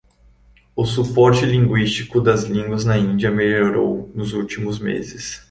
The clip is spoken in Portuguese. O suporte linguístico das línguas na Índia melhorou nos últimos meses.